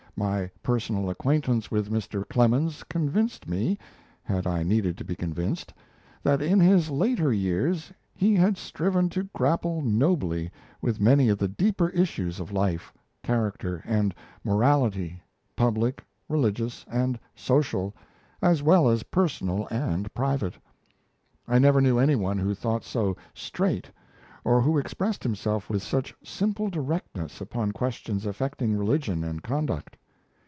My personal acquaintance with Mr. Clemens convinced me had I needed to be convinced that in his later years he had striven to grapple nobly with many of the deeper issues of life, character and morality, public, religious and social, as well as personal and private. I never knew anyone who thought so "straight," or who expressed himself with such simple directness upon questions affecting religion and conduct.